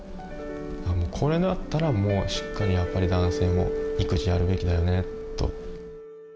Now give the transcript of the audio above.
これだったらもうしっかりやっぱり男性も育児やるべきだよねと。